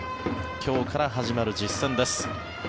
今日から始まる実戦です。